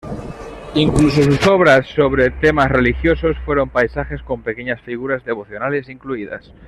Incluso sus obras sobre temas religiosos fueron paisajes con pequeñas figuras devocionales incluidas.